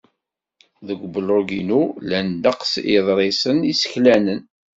Deg ublug-inu, llan ddeqs n yiḍrisen iseklanen.